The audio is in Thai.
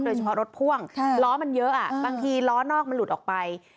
โดยเฉพาะรถพ่วงล้อมันเยอะบางทีล้อนอกมันหลุดออกไป